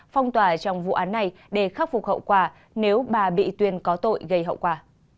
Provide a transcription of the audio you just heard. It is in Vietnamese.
phong tỏa trong vụ án này để khắc phục hậu quả nếu bà bị tuyên có tội gây hậu quả